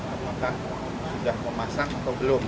apakah sudah memasang atau belum